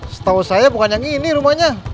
setahu saya bukan yang ini rumahnya